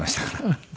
フフ。